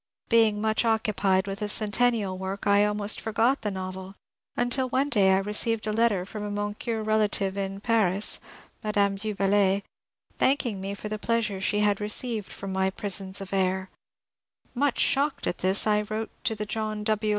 Being much occupied with centen nial work I almost forgot the novel, until one day I received a letter from a Moncure relative in Paris (Mme. Da Bellet) thanking me for the pleasure she had received from my ^^ Pris ons of Air I " Much shocked at this, I wrote to the John W.